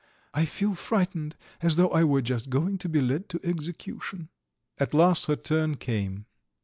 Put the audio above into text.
I feel frightened, as though I were just going to be led to execution." At last her turn came.